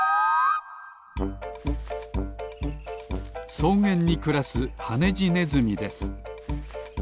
そうげんにくらすハネジネズミです。